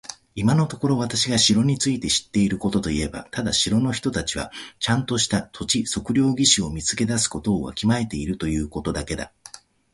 今のところ私が城について知っていることといえば、ただ城の人たちはちゃんとした土地測量技師を見つけ出すことをわきまえているということだけだ。